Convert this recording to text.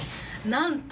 なんと！